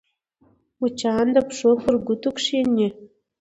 مچان د پښو پر ګوتو کښېني